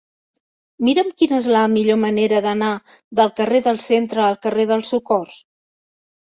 Mira'm quina és la millor manera d'anar del carrer del Centre al carrer del Socors.